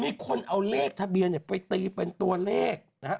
มีคนเอาเลขทะเบียนเนี่ยไปตีเป็นตัวเลขนะฮะ